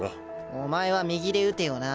お前は右で打てよな。